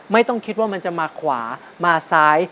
ไม่ต้องคิดว่ามันจะมาขวามาซ้าย